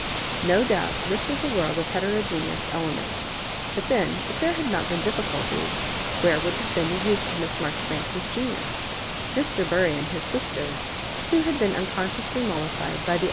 No doubt this was a world of heterogeneous elem^ts ; but then if there had not been difficulties, where would have been the use of Miss Marjoribanks's genius ? Mr. Bury and his sister, who had been unconsciously mol lified by the.